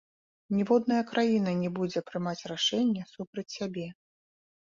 Ніводная краіна не будзе прымаць рашэнне супраць сябе.